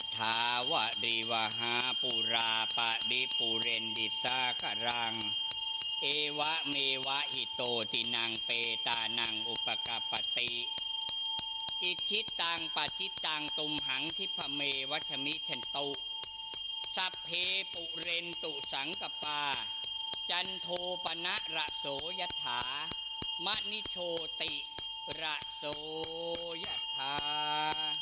ทรัพเพปุเรนตุสังตะปาจันทูปณะระโสยธามะนิโชติระโสยธา